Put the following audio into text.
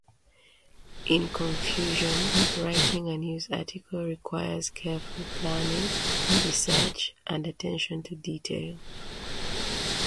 In conclusion, writing a news article requires careful planning, research, and attention to detail.